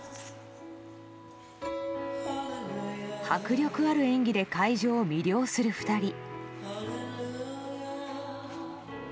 迫力ある演技で会場を魅了する２人。